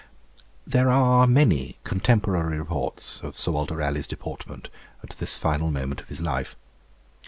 There are many contemporary reports of Sir Walter Raleigh's deportment at this final moment of his life.